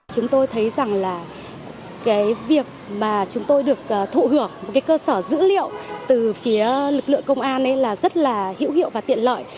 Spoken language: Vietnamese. chúng tôi thấy rằng là cái việc mà chúng tôi được thụ hưởng một cái cơ sở dữ liệu từ phía lực lượng công an là rất là hữu hiệu và tiện lợi